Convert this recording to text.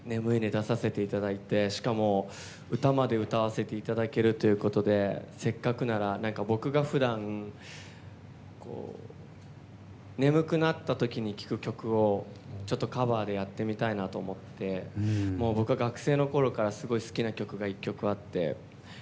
出させていただいてしかも、歌まで歌わせていただけるということでせっかくなら、僕がふだん眠くなった時に聴く曲をカバーでやってみたいなと思ってもう、僕、学生のころからすごい好きな曲が１曲あって。